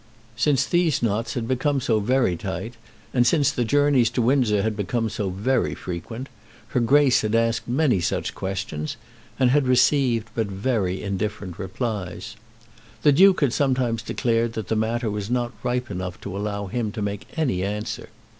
Since these knots had become so very tight, and since the journeys to Windsor had become so very frequent, her Grace had asked many such questions, and had received but very indifferent replies. The Duke had sometimes declared that the matter was not ripe enough to allow him to make any answer.